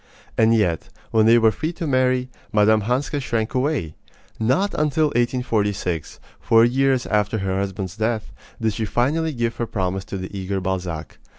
And yet, when they were free to marry, Mme. Hanska shrank away. Not until 1846, four years after her husband's death, did she finally give her promise to the eager Balzac.